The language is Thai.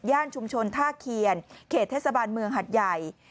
ชุมชนท่าเคียนเขตเทศบาลเมืองหัดใหญ่